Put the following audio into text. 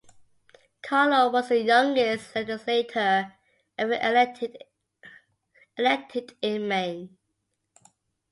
Carlow was the youngest legislator ever elected in Maine.